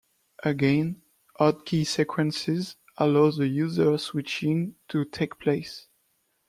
Again, hot key sequences allow the user switching to take place.